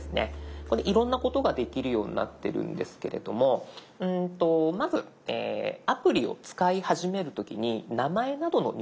ここでいろんなことができるようになってるんですけれどもまずアプリを使い始める時に名前などの入力が必要になっています。